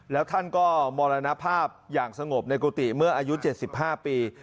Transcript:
แล้วท่านก็มรณภาพอย่างสงบในกุฏิเมื่ออายุ๗๕ปี